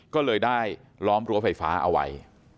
ก็เลยได้ล้อมรั้วไฟฟ้าเอาไว้